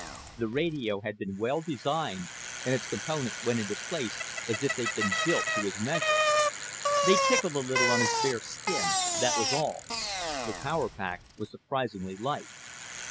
The radio had been well designed and its components went into place as if they had been built to his measure. They tickled a little on his bare skin, that was all. The power pack was surprisingly light.